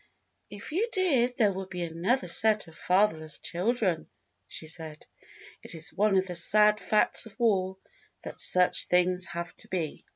"If you did there would be another set of fatherless children," she said. "It is one of the sad facts of war that such things have to be."